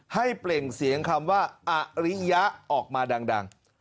เปล่งเสียงคำว่าอริยะออกมาดัง